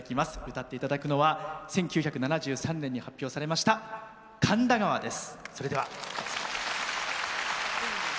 歌っていただくのは１９７３年に発表されました「神田川」です。